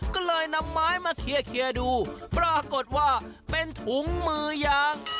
ก็เลยนำไม้มาเคลียร์ดูปรากฏว่าเป็นถุงมือยาง